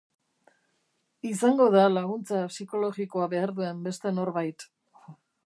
Izango da laguntza psikologikoa behar duen beste norbait.